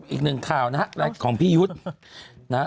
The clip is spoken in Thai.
อีกหนึ่งข่าวนะครับของพี่ยุทธิ์